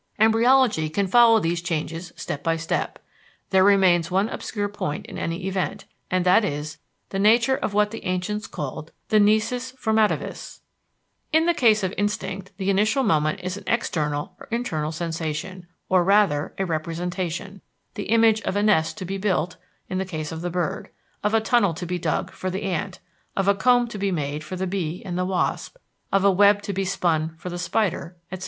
Embryology can follow these changes step by step. There remains one obscure point in any event, and that is, the nature of what the ancients called the nisus formativus. In the case of instinct, the initial moment is an external or internal sensation, or rather, a representation the image of a nest to be built, in the case of the bird; of a tunnel to be dug, for the ant; of a comb to be made, for the bee and the wasp; of a web to be spun, for the spider, etc.